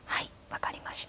分かりました。